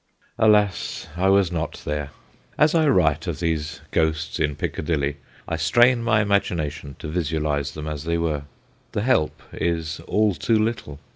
Alas ! I was not there. As I write of these ghosts in Piccadilly I strain my imagination to visualise them as they were. The help is all too little.